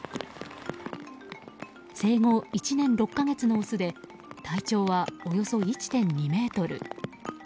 生後１年６か月のオスで体長はおよそ１．２ｍ。